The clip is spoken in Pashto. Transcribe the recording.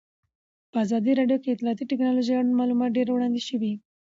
په ازادي راډیو کې د اطلاعاتی تکنالوژي اړوند معلومات ډېر وړاندې شوي.